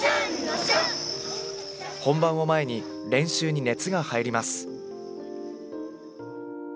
本番を前に、練習に熱が入ります。